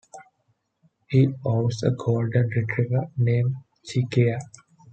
He owns a golden retriever named Che Keir.